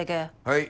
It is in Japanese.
はい。